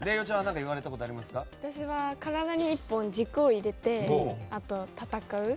私は体に１本軸を入れて戦う。